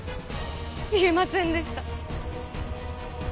言えませんでした。